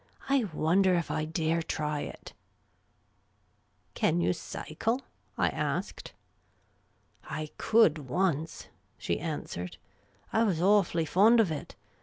" I wonder if I dare try it !"Can you cycle ?" I asked. I could once," she answered. '* I was awfully fond of it.